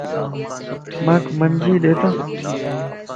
مانک منجي ڏيت